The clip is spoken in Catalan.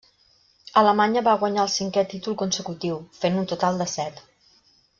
Alemanya va guanyar el cinquè títol consecutiu, fent un total de set.